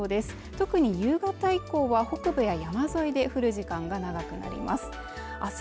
特に夕方以降は北部や山沿いで降る時間が長くなります。